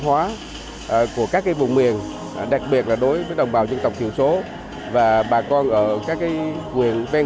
hóa của các vùng miền đặc biệt là đối với đồng bào dân tộc thiểu số và bà con ở các quyền ven